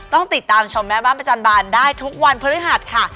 ต้องติดตามชมแม่บ้านประจำบานได้ทุกวันพฤหัสค่ะ